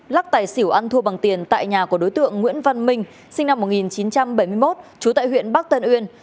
lắc tài xỉu ăn thua bằng tiền tại nhà của đối tượng nguyễn văn minh sinh năm một nghìn chín trăm bảy mươi một trú tại huyện bắc tân uyên